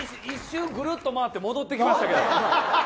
一瞬ぐるっと回って戻ってきましたけど。